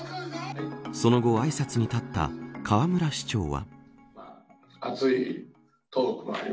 その後、あいさつに立った河村市長は。